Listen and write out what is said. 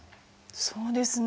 そうですね。